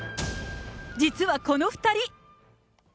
実はこの２人。